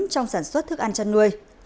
trong sản xuất thức ăn chân nuôi